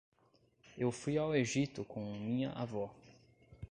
Eu fui ao Egito com minha avó.